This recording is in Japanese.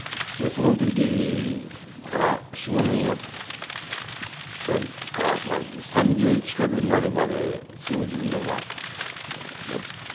その時から４５年やってから３０近くになるまですごく自分でもまあなんですか？